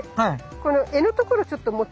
この柄のところちょっと持ってみて。